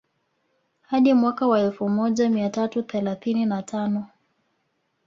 Hadi mwaka wa elfu moja mia tatu thelathini na tano